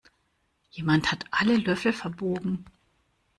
Jemand hat alle Löffel verbogen.